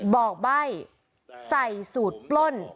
บอกใบ้ใส่สูตรปล้น